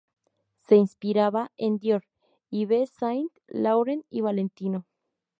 Se inspiraba en Dior, Yves Saint Laurent y Valentino.